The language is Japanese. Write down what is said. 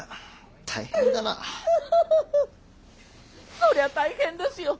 そりゃ大変ですよ。